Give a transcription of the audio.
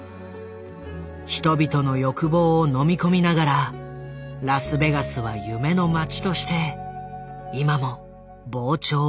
人々の欲望をのみ込みながらラスベガスは夢の街として今も膨張を続けている。